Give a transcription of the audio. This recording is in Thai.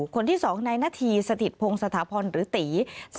คนที่๒นายนาธีสถิตพงศ์สถาพรหรือตี